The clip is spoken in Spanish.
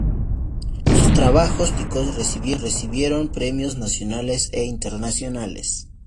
Sus trabajos periodísticos recibieron premios nacionales e internacionales.